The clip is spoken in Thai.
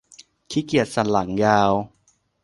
ขี้เกียจสันหลังยาว